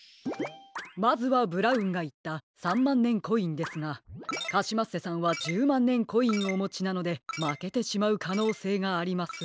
まずはブラウンがいった３まんねんコインですがカシマッセさんは１０まんねんコインおもちなのでまけてしまうかのうせいがあります。